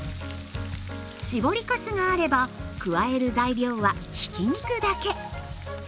搾りかすがあれば加える材料はひき肉だけ。